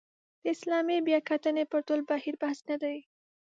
د اسلامي بیاکتنې پر ټول بهیر بحث نه دی.